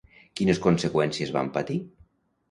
Quines conseqüències van patir?